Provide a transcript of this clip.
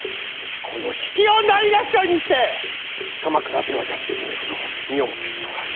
この比企をないがしろにして鎌倉ではやっていけないことを身をもって知ってもらう。